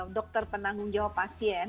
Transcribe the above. dokter penanggung jawab pasien